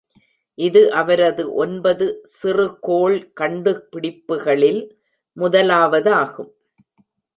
இது அவரது ஒன்பது சிறுகோள் கண்டுபிடிப்புகளில் முதலாவதாகும்.